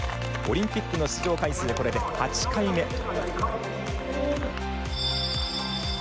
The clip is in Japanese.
オリンピックの出場回数はこれで８回目。